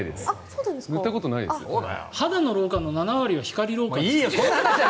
肌の老化の７割は光老化。